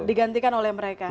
digantikan oleh mereka